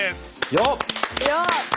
よっ！